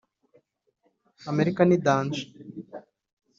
Amerika ni danger"